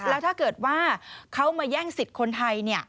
แล้วถ้าเกิดว่าเขามาแย่งสิทธิ์คนไทย